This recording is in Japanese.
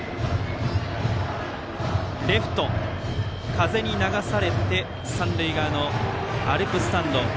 風に流されて三塁側のアルプススタンドへ。